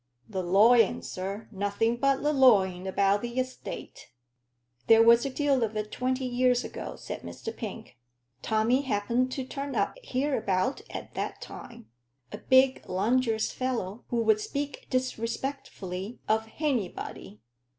"The lawing, sir nothing but the lawing about the estate. There was a deal of it twenty year ago," said Mr. Pink. "Tommy happened to turn up hereabout at that time; a big, lungeous fellow, who would speak disrespectfully of hanybody."